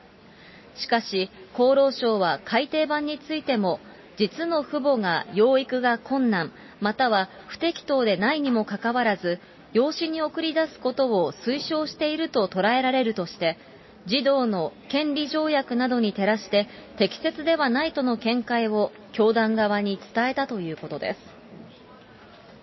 しかし、厚労省は改訂版についても実の父母が養育が困難、または不適当でないにもかかわらず、養子に送り出すことを推奨していると捉えられるとして、児童の権利条約などに照らして、適切ではないとの見解を教団側に伝えたということです。